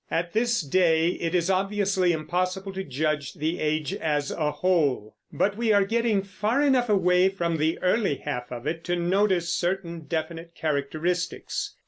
At this day it is obviously impossible to judge the age as a whole; but we are getting far enough away from the early half of it to notice certain definite characteristics.